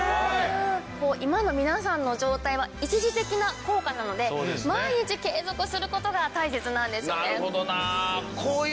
今の皆さんの状態は一時的な効果なので毎日継続する事が大切なんですね。